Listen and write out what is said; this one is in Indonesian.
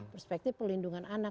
perspektif pelindungan anak